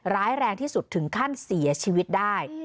ร้ายแรงที่สุดถึงขั้นเสียชีวิตได้